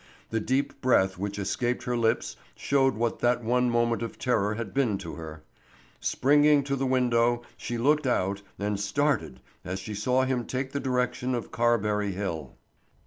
The deep breath which escaped her lips showed what that one moment of terror had been to her. Springing to the window she looked out and started as she saw him take the direction of Carberry hill.